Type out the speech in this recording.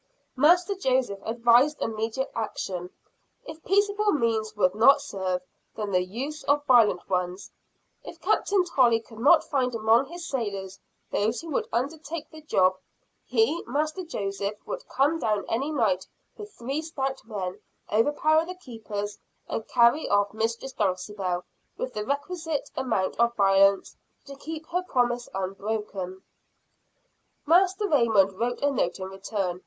Master Joseph advised immediate action if peaceable means would not serve, then the use of violent ones. If Captain Tolley could not find among his sailors those who would undertake the job, he, Master Joseph, would come down any night with three stout men, overpower the keepers, and carry off Mistress Dulcibel, with the requisite amount of violence to keep her promise unbroken. Master Raymond wrote a note in return.